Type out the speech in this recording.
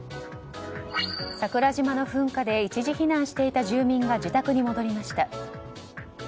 桜島の噴火で一時避難していた住民が自宅に戻りました。